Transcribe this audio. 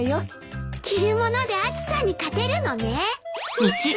着る物で暑さに勝てるのね。